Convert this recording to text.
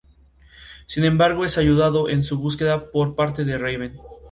Sin embargo, es ayudado en su búsqueda por parte de Raven.